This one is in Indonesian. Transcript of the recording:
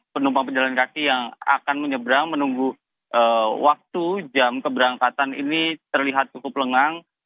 penumpang pejalan kaki yang akan menyeberang menunggu waktu jam keberangkatan ini terlihat cukup lengang